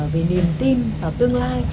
về niềm tin vào tương lai